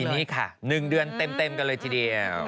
ทีนี้ค่ะ๑เดือนเต็มกันเลยทีเดียว